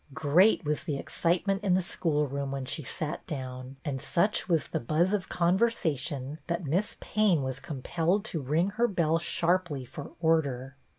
Great was the excitement in the school room when she sat down, and such was the buzz of conversation that Miss Payne was compelled to ring her bell sharply for order.